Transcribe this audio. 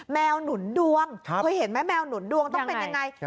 แมวหนุนดวงเคยเห็นไหมแมวหนุนดวงต้องเป็นยังไง